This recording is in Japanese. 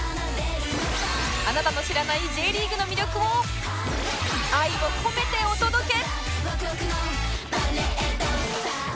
あなたの知らない Ｊ リーグの魅力を愛を込めてお届け！